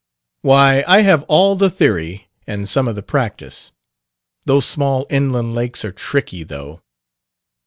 "Why, I have all the theory and some of the practice. Those small inland lakes are tricky, though."